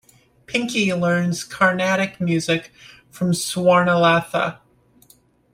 Pinky learns carnatic music from Swarnalatha.